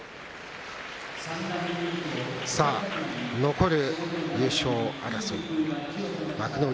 残る優勝争い幕内